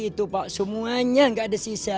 itu pak semuanya nggak ada sisa